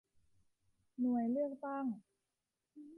หน่วยเลือกตั้ง